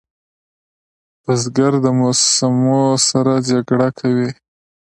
بزګر د موسمو سره جګړه کوي